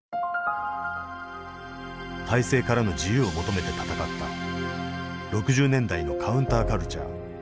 体制からの自由を求めて闘った１９６０年代のカウンターカルチャー